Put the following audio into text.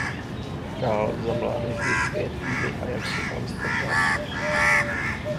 Hrál za mládežnické týmy Ajaxu Amsterdam.